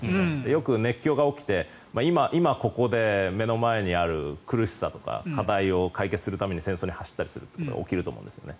よく熱狂が起きて今ここで目の前にある苦しさとか課題を解決するために戦争に走ったりすることが起きると思うんですね。